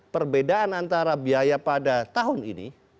perbedaan antara biaya pada tahun ini